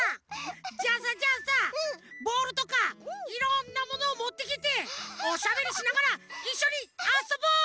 じゃあさじゃあさボールとかいろんなものをもってきておしゃべりしながらいっしょにあそぼう！